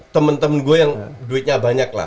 temen temen gue yang duitnya banyak lah